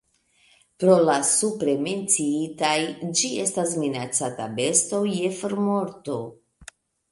Pro la supre menciitaj, ĝi estas minacata besto je formorto.